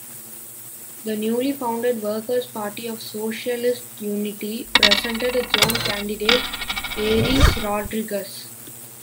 The newly founded Workers Party of Socialist Unity presented its own candidate, Aires Rodrigues.